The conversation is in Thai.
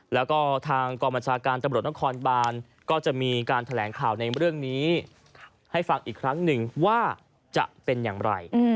แล้วก็ทางกองบัญชาการตำรวจนครบานก็จะมีการแถลงข่าวในเรื่องนี้ให้ฟังอีกครั้งหนึ่งว่าจะเป็นอย่างไร